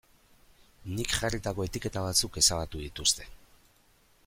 Nik jarritako etiketa batzuk ezabatu dituzte.